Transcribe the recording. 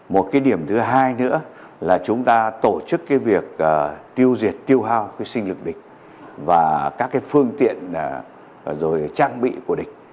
một điểm thứ hai nữa là chúng ta tổ chức việc tiêu diệt tiêu hao sinh lực địch và các phương tiện trang bị của địch